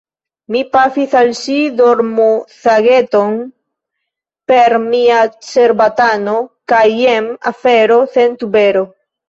Mi pafis al ŝi dormosageton per mia cerbatano, kaj jen afero sen tubero.